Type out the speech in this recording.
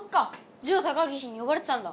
ジオ高岸によばれてたんだ。